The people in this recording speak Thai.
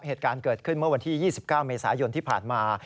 เหตุการณ์เกิดขึ้นเมื่อวันที่๒๙เมษายนที่ผ่านมา